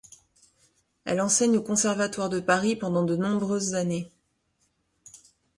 Elle enseigne au Conservatoire de Paris pendant de nombreuses années.